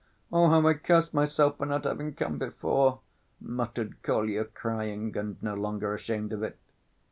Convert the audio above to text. Oh, how I curse myself for not having come before!" muttered Kolya, crying, and no longer ashamed of it.